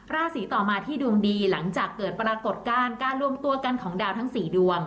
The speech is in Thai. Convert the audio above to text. ราศีต่อมาที่ดวงดีหลังจากเกิดปรากฏการณ์การรวมตัวกันของดาวทั้ง๔ดวง